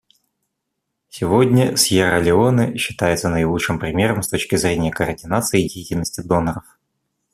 Сегодня Сьерра-Леоне считается наилучшим примером с точки зрения координации деятельности доноров.